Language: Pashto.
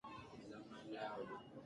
د جګړې خنډونه باید ونډه ولري.